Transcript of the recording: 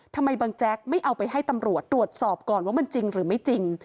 ทำไมบางแจ๊กไม่เอาไปให้ตำรวจตรวจสอบก่อนว่ามันจริงหรือไม่จริง